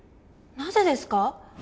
なぜですか？